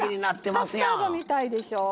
カスタードみたいでしょ。